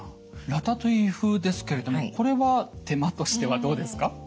ラタトゥイユ風ですけれどもこれは手間としてはどうですか？